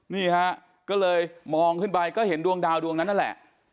นี่ฮะก็เลยมองขึ้นไปก็เห็นดวงดาวดวงนั้นนั่นแหละ